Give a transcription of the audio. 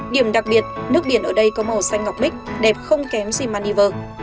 điểm đặc biệt nước biển ở đây có màu xanh ngọc mít đẹp không kém si maldiver